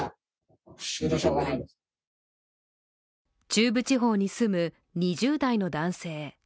中部地方に住む２０代の男性。